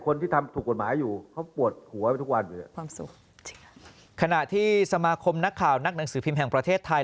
ขณะที่สมาคมนักข่าวนักหนังสือพิมพ์นักนักหนังสือภิมศ์แห่งประเทศไทย